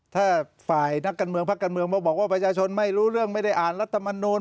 ถ้าฝ่ายนักการเมืองพักการเมืองมาบอกว่าประชาชนไม่รู้เรื่องไม่ได้อ่านรัฐมนูล